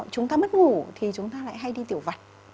chúng ta mất ngủ thì chúng ta lại hay đi tiểu vặt